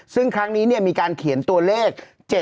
ซึ่งครั้งนี้เนี่ยมีการเขียนตัวเลข